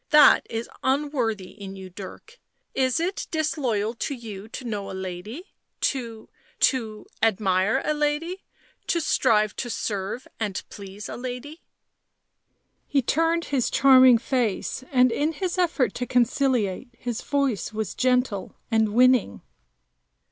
" That is unworthy in you, Dirk — is it disloyal to you to know a lady — to — to — admire a lady, to strive to serve and please a lady " He turned his charming face, and in his effort to conciliate, his voice was gentle and winning.